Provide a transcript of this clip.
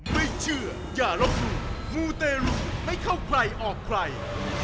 ไม่เชื่ออย่าลบหลู่มูเตรุไม่เข้าใครออกใคร